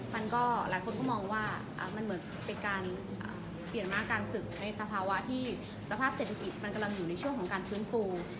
มันก็หลายคนก็มองว่ามันเหมือนเป็นการเปลี่ยนมาการศึกในสภาวะที่สภาพเศรษฐกิจมันกำลังอยู่ในช่วงของการฟื้นฟู